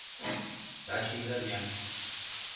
Таче изарня...